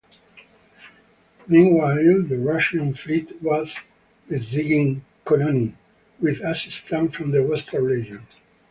Meanwhile, the Russian fleet was besieging Koroni with assistance from the Western Legion.